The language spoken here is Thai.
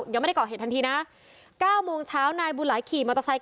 ยังไม่ได้ก่อเหตุทันทีนะ๙โมงเช้านายบุญหลายขี่มอเตอร์ไซค์